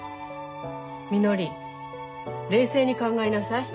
みのり冷静に考えなさい。